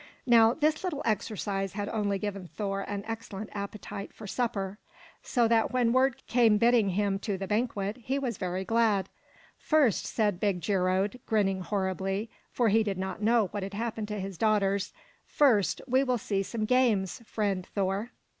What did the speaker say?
Now this little exercise had only given Thor an excellent appetite for supper. So that when word came bidding him to the banquet, he was very glad. "First," said big Geirröd, grinning horribly, for he did not know what had happened to his daughters, "first we will see some games, friend Thor."